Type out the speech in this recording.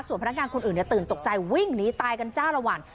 ส่วนพนักงานคนอื่นเนี้ยตื่นตกใจวิ่งนี่ตายกันจ้าละหวั่น